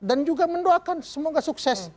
dan juga mendoakan semoga sukses